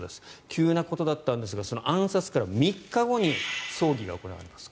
急なことだったんですがその暗殺から３日後に葬儀が行われます。